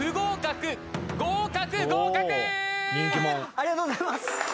ありがとうございます。